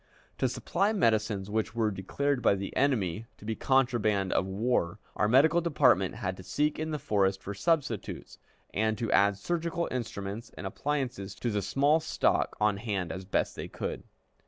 To supply medicines which were declared by the enemy to be contraband of war, our medical department had to seek in the forest for substitutes, and to add surgical instruments and appliances to the small stock on hand as best they could.